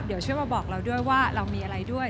เดี๋ยวช่วยมาบอกเราด้วยว่าเรามีอะไรด้วย